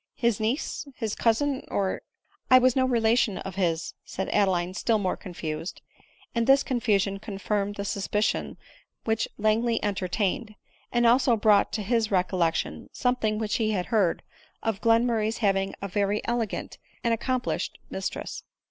r his niece— his cousin — or —?"" I was no relation of his," said Adeline still more confused; and this confusion confirmed the suspicions which Langley entertained, and also brought to his recol lection something which he had heard of Glenmurray's having a very elegant and accomplished mistress.